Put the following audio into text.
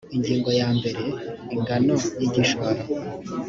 ingingo ya mbere ingano y igishoro